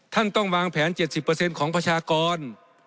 ต้องวางแผน๗๐ของประชากร